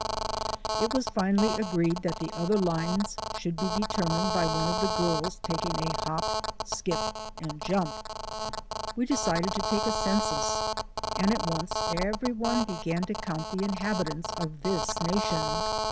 It was finally agreed that the other lines should be determined by one of the girls tak ing a hop, skip, and jump. We decided to take a census and at once every one began to count the inhabitants of this nation.